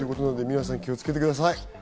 皆さん、気をつけてください。